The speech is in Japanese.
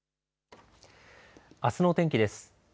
あすの天気です。